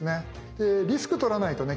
でリスクを取らないとね